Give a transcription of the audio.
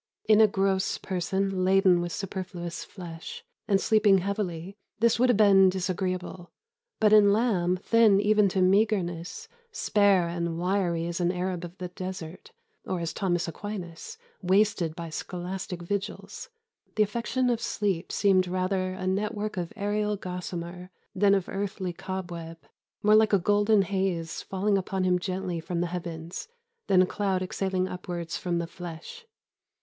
In a gross person laden with superfluous flesh, and sleeping heavily, this would have been disagreeable; but in Lamb, thin even to meagreness, spare and wiry as an Arab of the desert, or as Thomas Aquinas, wasted by scholastic vigils, the affection of sleep seemed rather a net work of aerial gossamer than of earthly cobweb, more like a golden haze falling upon him gently from the heavens than a cloud exhaling upwards from the flesh.